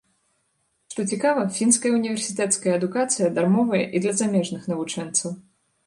Што цікава, фінская універсітэцкая адукацыя дармовая і для замежных навучэнцаў.